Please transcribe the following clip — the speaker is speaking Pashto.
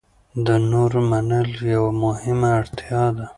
د نورو منل یوه مهمه اړتیا ده.